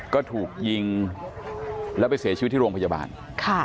ก็ถูกยิงแล้วไปเสียชีวิตที่โรงพยาบาลค่ะ